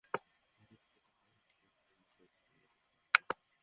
বাজার বিশ্লেষকেরা অবশ্য বলছেন, মানুষকে ভালো লাগাতে পারানোটা একটা বিশাল কাজ।